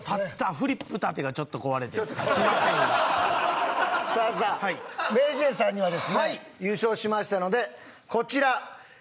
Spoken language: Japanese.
フリップ立てがちょっと壊れて立ちませんがさあさあＭａｙＪ．さんにはですね優勝しましたのでこちら